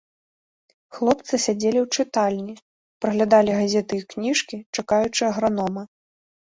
Хлопцы сядзелі ў чытальні, праглядалі газеты і кніжкі, чакаючы агранома.